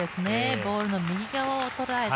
ボールの右側を捉えた。